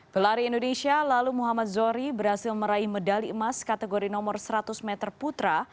pelari indonesia lalu muhammad zohri berhasil meraih medali emas kategori nomor seratus meter putra